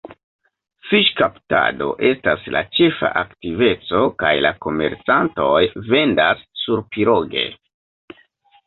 Fiŝkaptado estas la ĉefa aktiveco kaj la komercantoj vendas surpiroge.